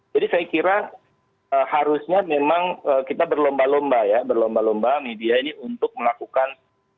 saya kira harusnya memang kita berlomba lomba ya berlomba lomba media ini untuk melakukan